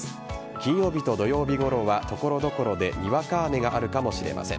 金曜日と土曜日ごろは所々でにわか雨があるかもしれません。